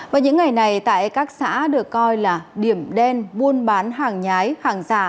và những ngày này tại các xã được coi là điểm đen buôn bán hàng nhái hàng giả